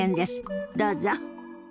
どうぞ。